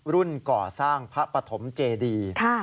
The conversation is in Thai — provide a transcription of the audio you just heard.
ก่อสร้างพระปฐมเจดี